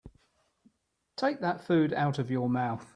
Take that food out of your mouth.